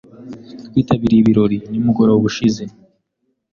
Twitabiriye ibirori nimugoroba ushize.